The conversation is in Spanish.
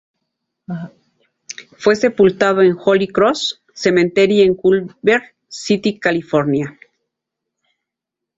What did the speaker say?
Fue sepultado en Holy Cross Cemetery en Culver, City, California.